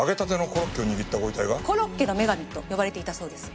コロッケの女神と呼ばれていたそうです。